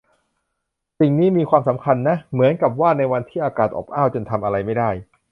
สิ่งนี้มีความสำคัญนะ เหมือนกับว่าในวันที่อากาศอบอ้าวจนทำอะไรไม่ได้